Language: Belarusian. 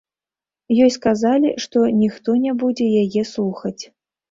Ёй сказалі, што ніхто не будзе яе слухаць.